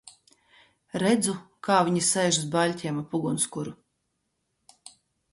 Redzu, kā viņi sēž uz baļķiem ap ugunskuru.